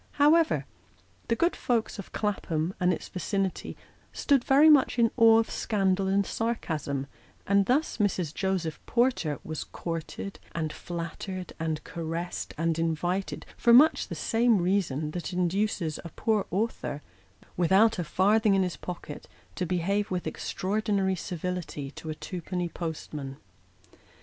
However, the good folks of Clapham and its vicinity stood very much in awe of scandal and sarcasm ; and thus Mrs. Joseph Porter was courted, and flattered, and caressed, and invited, for much the same reason that induces a poor author, without a farthing in his pocket, to behave with extraordinary civility to a twopenny postman.